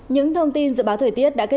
nhật độ từ hai mươi bốn đến ba mươi ba độ